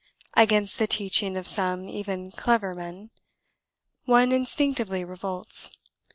... Against the teaching of some (even clever) men, one instinctively revolts.